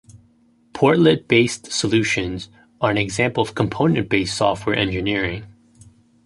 Portlet-based solutions are an example of component-based software engineering.